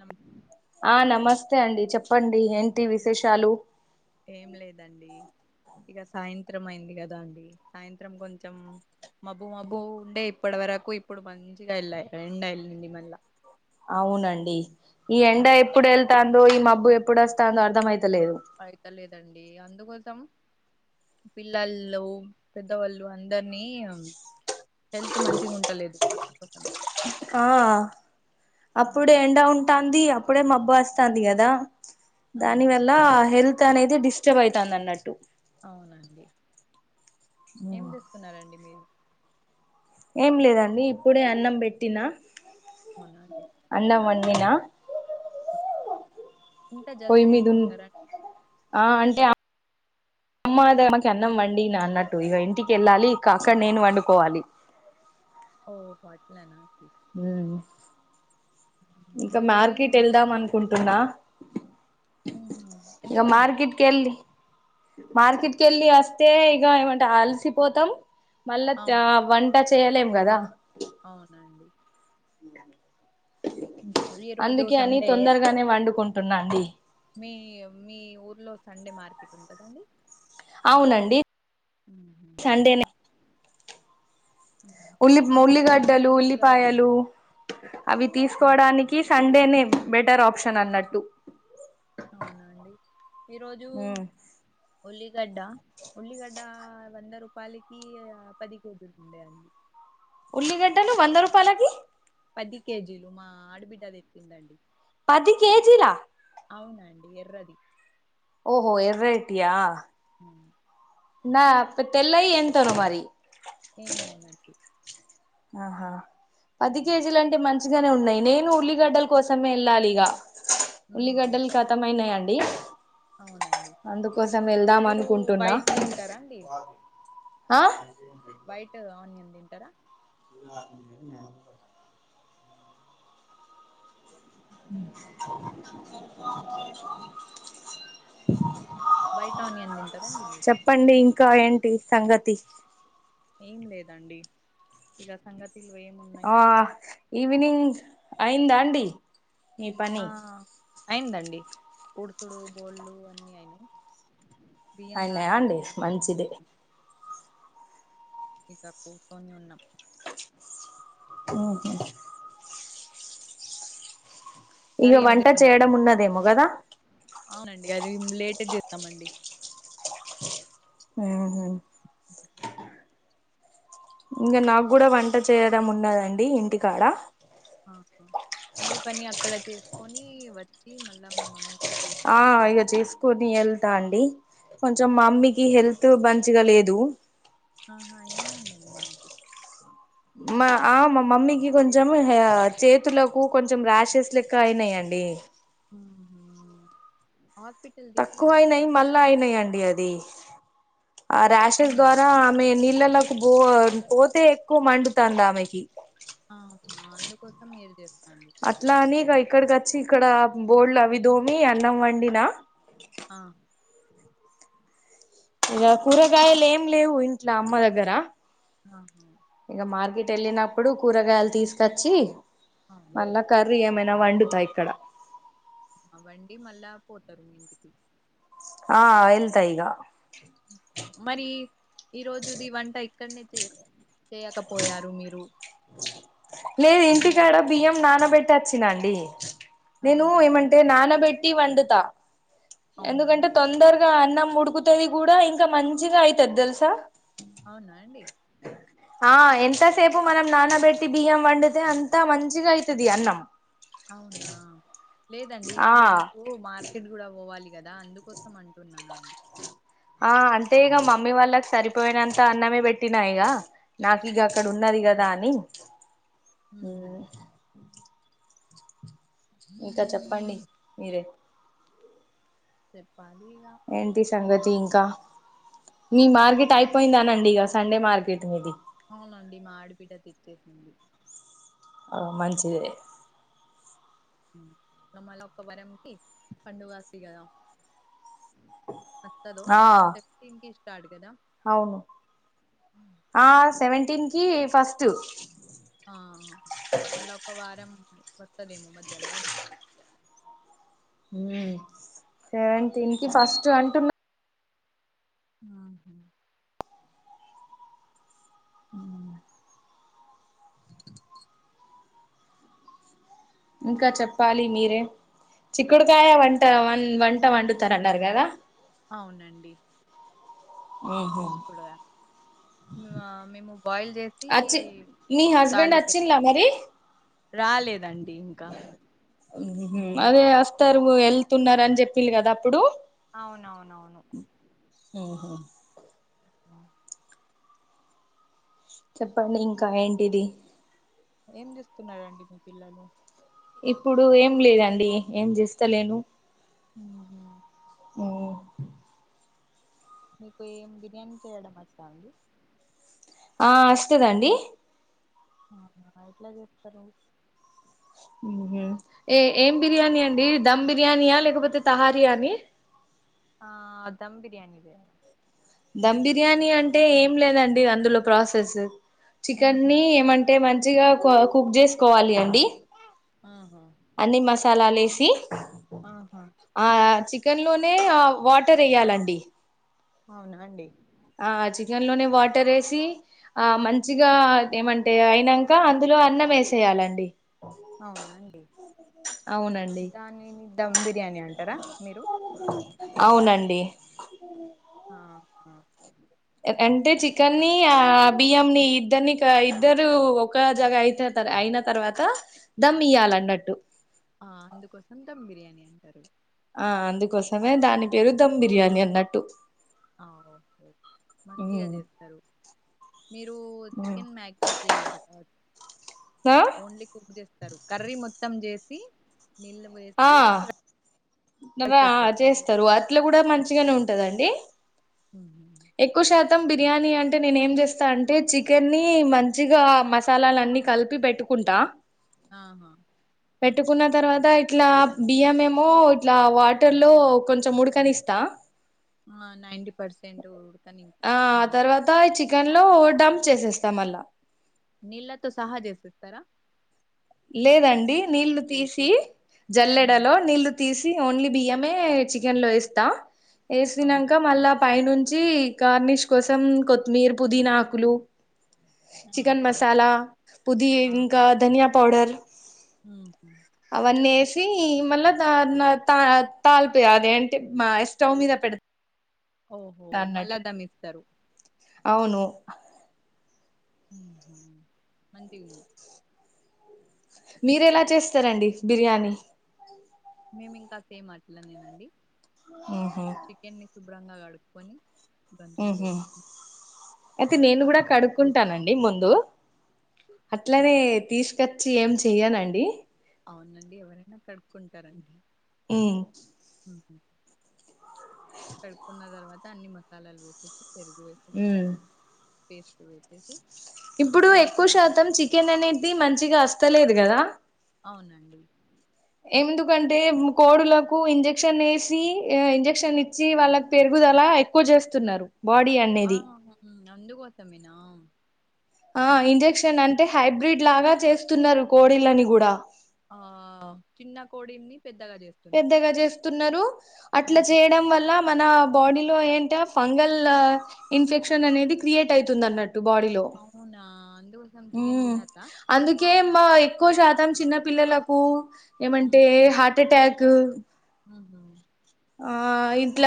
నమ్ ఆ నమస్తే అండి చెప్పండి ఏంటి విశేషాలు ఏం లేదండి ఇక సాయంత్రం అయింది కదా అండి సాయంత్రం కొంచెం మబ్బు మబ్బు ఉండే ఇప్పటి వరకు ఇప్పుడు మంచిగ వెళ్ళాయి ఎండ ఎల్లింది మళ్ళ అవునండి ఈ ఎండ ఎప్పుడు వెళ్తాందో ఈ మబ్బు ఎప్పుడు వస్తాందో అర్థమయితు పడత లేదండి అందుకోసం పిల్లళ్ళు పెద్దవాళ్ళు అందర్నీ హెల్త్ మంచిగ ఉండలేదు వ మీకోసమే ఆ అప్పుడే ఎండ ఉంటాంది అప్పుడే మబ్బు వస్తాంది కదా దాని వల్ల అవునండి హెల్త్ అనేది డిస్టర్బ్ అయితాంది అన్నట్టు అవునండి ఏం చేస్తున్నారండి మీరు ఏం లేదండి ఇప్పుడే అన్నం పెట్టినా కొనాలి నేనా ఇంత జల్దీ మీద ఉన్ చేసుకుంటారండి ఆ అంటే అమ్మా మాకు అన్నం వండి అన్నట్టు ఇక ఇంటికి వెళ్ళాలి ఇంక అక్కడ నేను వండుకోవాలి ఓ అట్లనా ఇంకా మీ మమ్మీ మార్కెట్ ఎళ్దాం మంచిగుందా అనుకుంటున్నా ఇంక ఎందుకండి మార్కెట్ కెల్లి మార్కెట్కి వెళ్ళి వస్తే ఇక ఏమంటే అలసిపోతాం మళ్ళ అవును వంట చేయలేం కదా అవునండి ఈ రోజు అందుకే అని సండే తొందరగానే వండుకుంటున్నాండి మీ మీ ఊర్లో సండే మార్కెట్ ఉంటుందండి అవునండి సండేనే ఉల్లి ఏం ఉల్లిగడ్డలు తీసుకుంటారండి కూరగాయలు ఉల్లిపాయలు అవి ఆ తీసుకోవడానికి సండేనే బెటర్ ఆప్షన్ అన్నట్టు అవునండి ఈరోోజు ఉమ్ ఉల్లిగడ్డ ఉల్లిగడ్డ వంద రూపాయలకి పది కేజీలు ఉండాయి అడి ఉల్లిగడ్డలు వంద రూపాయలకి పది కేజీలు మా ఆడబిడ్డ దెచ్చిందండి పది కేజీలా అవునండి ఎర్రది ఓహో ఎర్ర ఐటీయా మ్మ్. నా ఇ తెల్లయి ఏంతనో మరి ఏమో నండి ఆహా పది కేజీలు అంటే మంచి ఉన్నాయి నేను ఉల్లిగడ్డల కోసమే వెళ్ళాలి ఇగ ఉల్లిగడ్డలు ఖతమయినాయిండి అండి అవునండి మీరు అనుకుంటున్నా వైట్ తింటరా అండి ఆ వైట్ ఆనియన్ తింటారా వైట్ ఆనియన్ తింటారండి మీరు చెప్పండి ఇంకా ఏంటి సంగతి ఏం లేదండి ఇగ సంగతిలు ఏమున్నాయి ఆ ఈవినింగ్ అయిందా అండి మీ ఆ పని అయిందండి ఉడుసుడు బోళ్ళు అన్ని అయినాయి బియ్యం అయినయా అండి నానబెట్టినాం మంచిది ఇక కూకొని ఉన్నాం హూ హమ్ ఇగ కర్రీ ఏం వంట చేయడం చేస్తున్నారండి ఉన్నదేమో కదా అవునండి అది లేట్ గ చేద్దామండి ఆహా ఇంగ నాగు కూడా వంట చేయడం ఉన్నదండి ఇంటి కాడ ఆహా అన్ని పని అక్కడ చేసుకొని వచ్చి మళ్ళా మీ మమ్మీ ఆ ఇగ చేసుకుని ఎల్ తా అండి కొంచెం మమ్మీకి హెల్త్ మంచిగా లేదు ఆహా ఏమైందండి మమ్మీకి మా ఆ మా మమ్మీకి కొంచెం చేతులకు కొంచెం ర్యాషెస్ లెక్క అయినాయండి ఆహా హ తక్కువ అయినాయి మళ్ళా అయినాయిండి అది ఆ ర్యాషెస్ మ్మ్. ద్వారా ఆమె నీళ్ళలోకి పో పోతే ఎక్కువ మండుతంది ఆమెకి ఆహా అందుకోసం మీరు చేస్తాంది అట్లా అని ఇగ ఇక్కడికి వచ్చి ఇక్కడ బోల్లు అవి దోమి అన్నం వండినా ఆ ఇగ కూరగాయలు ఏం లేవు ఇంట్ల అమ్మ దగ్గర ఆహా ఇక మార్కెట్ వెళ్ళినప్పుడు కూరగాయలు తీసుకచ్చి మళ్ల అవును కర్రీ వండుతా ఇక్కడ వండి మళ్ళా పోతారు ఇంటికి ఆ వెళ్తా ఇగ మరి ఈ రోజుది వంట ఇక్కడనే చే చేయకపోయారు మీరు లేదు ఇంటికాడ అందరికి బియ్యం నానబెట్టి వచ్చినండి నేను ఆహా ఏమంటే నానబెట్టి ట్టి అవునా వండుతాఎందుకంటే అండి తొందరగా అన్నం ఉడుకుతుది కూడా ఇంకా మంచిగా అయితది తెలుసా అవునా అండి ఆ ఎంతసేపు మనం నానబెట్టి బియ్యం వండితే అంతా మంచిగా అయితది అన్నం అవునా లేదండి ఆ ఇప్పుడు మీకు మార్కెట్ కూడా పోవాలి గదా అందుకోసం అంటున్నాను ఆ అంటే ఇగ మమ్మీ వాళ్ళకి సరిపోయినంత అన్నమే పెట్టిన ఇగ నాకు ఇగ అక్కడ ఉన్నది కదా అని ఉహు ఉం ఇంక చెప్పండి మీరే చెప్పు ఏంటి సంగతి ఇంకా మీ ఒక మార్గెట్ అయిపోయిందానండి ఇగ సండే మార్కెట్ మది అవునండి మా ఆడబిడ్డ ఇచ్చేసింది ఆ మంచిదే నావల్ల ఒక వరం కి పండుగ ఉంది కదా వస్తాడో ఆ చెప్పింది ఇస్తాడో అవును ఆ సెవెంటీన్ కి ఫస్ట్ ఆ మళ్ళా ఒక వారం వస్తదేమో మధ్యలా కదా ఉ సెవెన్టీన్ కి ఫస్ట్ అంటున్నా ఆహా ఇంకా చెప్పాలి మీరే చిక్కుడుకాయ వంట వ వంట వండుతారన్నారు కదా అవునండి ఉ హు ఆ మేము బాయిల్ చేసి అచ్చి మీ హస్బెండ్ తాగిపిస్తా వచ్చిన్లా మరి రాలేదండి ఇంకా అదే వస్తారు వెళ్తున్నారు అని చెప్పిండ్రు కదా అప్పుడు అవును అవును అవును ఉ హు చెప్పండి ఇంకా ఏంటిది ఏం చేస్తున్నారు మీ పిల్లలు ఇప్పుడు ఏం లేదండి ఏం చేస్తాలేను ఉ హు మీకు ఏం బిర్యానీ చేయడం వచ్చా అండి ఆ వస్తది అండి ఆహు ఎట్లా చెప్తారు ఉ హు ఏ ఏం బిర్యాని అండి దమ్ బిర్యానియా లేకపోతే తహారియాని ఆ దమ్ బిర్యానీ లే దమ్ బిర్యానీ అంటే ఏం లేదండి అందులో ప్రాసెసు చికెన్ ఆహా నీ ఏమంటే మంచిగా ఎక్కువ కుక్ చేసుకోవాలి అండి ఆహా అన్ని మసాలాలు వేసి ఆహా ఆ చికెన్ లోనే వాటర్ వేయాలండి అవునా అండి ఆ చికెన్ లోనే వాటర్ వేసి ఆ మంచిగా ఏమంటే అయినాక అందులో అన్నం వేసేయాలండి అవునండి అవునండి దాన్ని దమ్ బిర్యానీ అంటారా మీరు అవునండి ఆ హు అంటే చికెన్ని ఆ బియ్యం ని ఇద్దరిని ఇద్దరు ఒక జగ అయి అయిన తర్వాత దమ్ ఇయాల ఉన్నట్టు ఆ అందుకోసం దమ్ బిర్యానీ అంటారు. ఆ అందుకోసమే దాని పేరు దమ్ బిర్యాని అన్నట్టు ఆ హు మంచిగా చేస్తారు. మీరు చికెన్ మ్యాగినేట్ చెయ్యరు కాదు ఓన్లీ కుక్ చేస్తారు కర్రీ మొత్తం చేస్ సి నిళ్ళు వేసి ముందుగా రైస్ ఏసేస్తారు చేస్తరు అట్ల కూడా మంచిగానే ఉంటదండి ఉహు మొత్తం బిర్యానీ అంటే నేను ఏం చేస్తా అంటే చికెన్ని మంచిగా మసాలాలన్నీ కలిపి పెట్టుకుం కుంటా అహ పెట్టుకున్న తర్వాత ఇట్లా బియ్యం ఏమో ఇట్లా వాటర్ లో కొంచెం ఉడకనిస్తా ఆ నైంటీ పర్సెంట్ ఆ ఉడుకనించినంక తర్వాత ఈ చికెన్ లో డంప్ చేసేస్తా మళ్ళ నీళ్ళతో సహా చేసేస్తారా లేదండి నీళ్లు తీసి మ్మ్. జల్లెడలో నీళ్ళు తీసి ఓన్లీ బియ్యమే చెకెన్ లో వేస్తా అవునా వేసినంక మళ్ళ పైనుం నుంచి గార్నిష్ కోసం కొత్తిమీర పుదీనాకులు చికెన్ ఆహా మసాలా పుది ఇంకా ధనియా పౌడర్ ఉ తీ మళ్ళా తా తా తాల్పి అదే అంటే మా స్టవ్ మీద పెడత ఓహో మళ్ళా దమిస్తారు అవును మంచిగుంది మీరేలా చేస్తారండి బిర్యానీ మేము ఇంకా సేమ్ అట్ల నేనండి ఉహు శుభ్రంగా కడుక్కోని ఉహు అయితే నేను మొత్తం కూడా కడుక్కుంటానండి ముందు అట్లనే తీసుకచ్చి ఏం చెయ్యనండి అవునండి ఎవరైనా కడుక్కుంటారండి ఉ మ్మ్. కడుక్కున్న తర్వాత అన్ని మసాలాలు వేసేసి పెరుగు వేసేసి పచ్చి చేస్తవ్ అయితే ఇప్పుడు ఎక్కువ శాతం చికెన్ అనేది మంచిగా వస్తలేదు కదా అవునండి ఎందుకంటే కోడులకు ఇంజెక్షన్ ఎసి ఇంజెక్షన్ ఇచ్చి వాళ్ళకి పెరుగుదల అలా ఎక్కువ చేస్తున్నారు బాడీ ఆ అనేది హ్మ్ అందుకోసమేనా ఆ ఇంజెక్షన్ అంటే హైబ్రిడ్ లాగా చేస్తున్నారు కోడిళ్లని కూడా ఆ చిన్న కోడిని పెద్దగా చేస్తుంది న్నారు అట్లా చేయడం వల్ల మన బాడీలో ఏంటే ఫంగల్ ఇన్ఫెక్షన్ అనేది క్రియేట్ అవుతుంది అన్నట్ బాడిలో అవునా అందుకోసం ఉ చికెన్ తినద్దా అందుకే మా ఎక్కువ శాతం చిన్న పిల్లలకు ఏమంటే హ్మ్ హార్ట్ అటాక్ ఉహు ఆ ఇంట్ల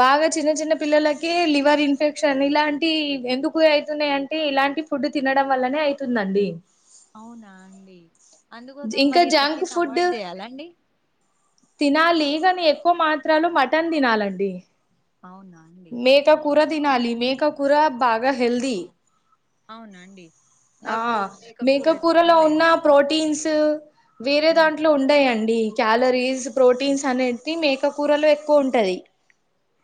బాగా చిన్న చిన్న పిల్లలకి లివర్ ఇన్ఫెక్షన్ ఇలాంటి ఎందుకు అయితున్నాయి అంటే ఇలాంటి ఫుడ్ తినడం వల్లనే అయితుందండి అవునా అండి అందుకోసం ఇంకా మరి జంక్ చికెన్ ఫుడ్ అవాయిడ్ చేయాలాండి తినాలి కానీ ఎక్కువ మాత్రలు మటన్ తినాలండి అవున మేక కూర తినాలి మేక కూర బాగా హెల్ది అవున అండి నాకు మేక కూర ఇష్టం కూరలో ఉన్న లేదండి ప్రోటీన్స్ వేరే హ్మ్ దాంట్లో [unintelligible] క్యాలరీస్ ప్రోటీన్స్ అనేటి మేక కూరలో ఎక్కువ ఉంటాయ్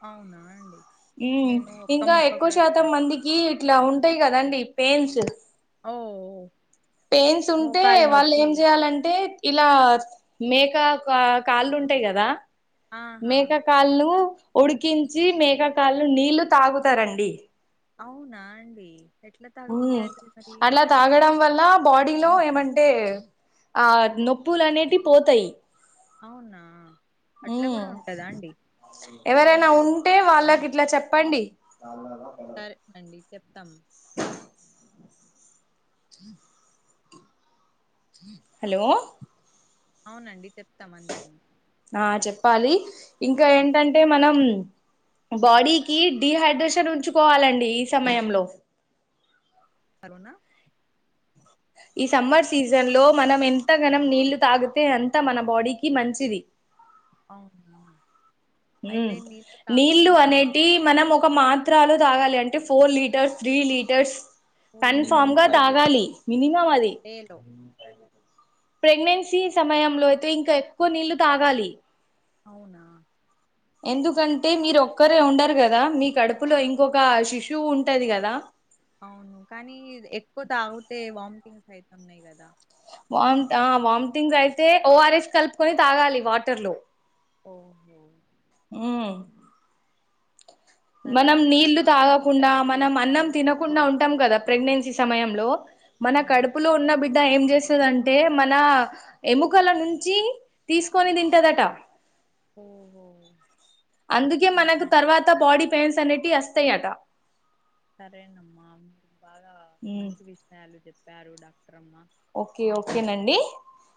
అవునా అండి ఉ నేను ఒక్క ఇంకా ముక్క ఎక్కువ కూడా శాతం తినను మందికి ఇట్లా ఉంటాయి కదండి పెయిన్స్ ఓ పెయిన్స్ ఉంటే మోకాలు వాళ్ళు నొప్పి ఏం చేయాలంటే ఇలా మేక కా కాళ్ళు ఉంటాయి కదా ఆహా మేక కాళ్ళు ఉడికించి మేక కాళ్లు నీళ్లు తాగుతారండి అవునా అండి ఎట్లా ఉ తాగబుద్ధి అయితది మరి అలా తాగడం తాగుతారు వల్ల బాడీలో ఏమ అంటే ఆ నొప్పులు అనేటివి పోతయ్ అవునా అట్లా కూడా ఉంటదా అండి ఎవరైన ఉంటే వాళ్ళకి ఇట్ల చెప్పండి సరే అండి చెప్తం హహ హలో అవునండి చెప్తాం అందరినీ ఆ చెప్పాలి ఇంక ఏంటంటే మనం బాడీకి డిహైడ్రేషన్ ఉంచుకోవాలండి ఈ సమయంలో [unintelligible] ఈ సమ్మర్ సీజన్ లో మనం ఎంత గనం నీళ్లు తాగితే అంత మన బాడీకి మంచిది అవునా ఉ అయితే నీళ్లు నీళ్లు తాగకుండానే అనేటి ఉంటాం మనం ఒక మా తాగాలి అంటే ఫోర్ లీటర్స్ త్రీ లీటర్స్ కన్ ఓహో ఫామ్ గా తాగాలి [unintelligible] [unintelligible] డేలో ప్రెగ్నెన్సీ సమయంలో అయితే ఇంక ఎక్కువ నీళ్లు తాగాలి అవునా ఎందుకంటే మీరు ఒక్కరే ఉండరు కదా మీ కడుపులో ఇంకొక శిశువు ఉంటది కదా అవును కానీ ఎక్కువ తాగితే వామిటింగ్స్ అయితన్నాయి కదా వామి వామిటింగ్ అయితే ఓఆర్ఎస్ కలుపుకొని తాగాలి వాటర్ లో ఓహో ఊ సరే మనం డాక్టర్ నీళ్లు అమ్మా మంచి తాగకుండ పని మనం అన్నం చేశారు మం తినకుండా ఉంటాం కదా ప్రెగ్నెన్సీ సమయంలో మన అవును కడుపులో ఉన్న బిడ్డ ఏం చే అంటే మన ఎముకల నుంచి తీసుకొని తింటదట ఓహో అందుకే మనకు అవునా తర్వాత బాడీ పైన్స్ అనేటి వస్తాయి అట సరేనమ్మా బాగా మ్మ్ మంచి విషయాలు చెప్పారు డ ఓకే ఓకేనండి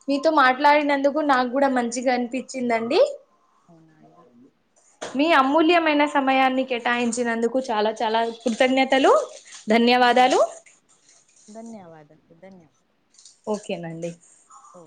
మీతో మాట్లాడిన నాకు కూడ మంచిగా అనిపిచిందండి అవునా అండి మీ అమూల్యమైన సమయాన్ని కేటాయించినందుకు చాలా చాలా కృతజ్ఞతలు ఓ ధన్యవాదాలు ధన్యవాదలు ధన్యవాద ఓకేనండి ఓ